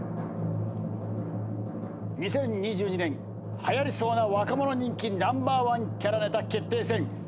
２０２２年はやりそうな若者人気ナンバーワンキャラネタ決定戦。